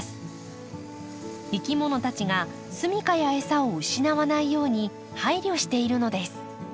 いきものたちが住みかや餌を失わないように配慮しているのです。